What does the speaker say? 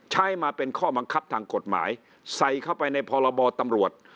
ใช้มาเป็นข้อบังคับทางกฎหมายใส่เข้าไปในพรบตำรวจ